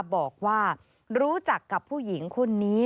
บอกว่ารู้จักกับผู้หญิงคนนี้